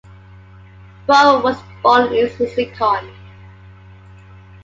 Forrer was born in Islikon.